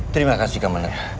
terima kasih kamandano